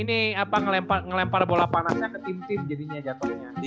ini apa ngelempar bola panasnya ke tim tim jadinya jatuhnya